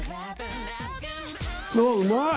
あうまい！